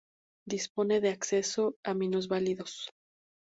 Dispone de acceso a minusválidos.